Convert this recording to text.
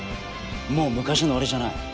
もう昔の俺じゃない。